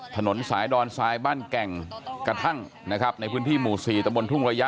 ถนนสายดอนทรายบ้านแก่งกระทั่งนะครับในพื้นที่หมู่๔ตะบนทุ่งระยะ